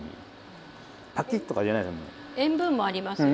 塩分もありますしね。